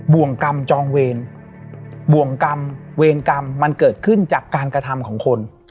่วงกรรมจองเวรบ่วงกรรมเวรกรรมมันเกิดขึ้นจากการกระทำของคน